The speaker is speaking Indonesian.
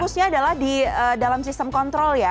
fokusnya adalah dalam sistem kontrol ya